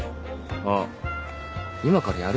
あっ今からやる？